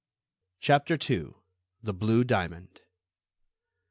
CHAPTER II. THE BLUE DIAMOND.